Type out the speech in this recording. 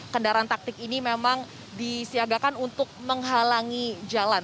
kendaraan taktik ini memang disiagakan untuk menghalangi jalan